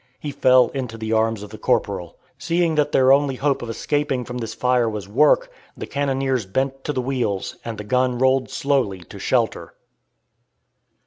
He fell into the arms of the corporal. Seeing that their only hope of escaping from this fire was work, the cannoniers bent to the wheels, and the gun rolled slowly to shelter.